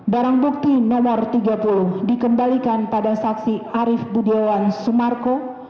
barang bukti nomor tiga puluh dikembalikan pada saksi arief budiawan sumarko